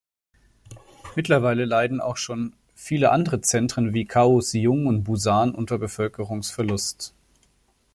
Mittlerweile leiden auch schon viele andere Zentren wie Kaohsiung und Busan unter Bevölkerungsverlust.